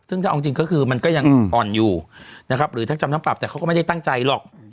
ซึ่งถ้าเอาจริงก็คือมันก็ยังอ่อนอยู่นะครับหรือทั้งจำทั้งปรับแต่เขาก็ไม่ได้ตั้งใจหรอก